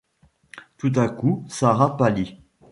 Tout à coup, Sarah pâlit.